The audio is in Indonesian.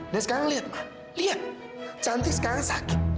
tapi sekarang lihat cantik sekarang sakit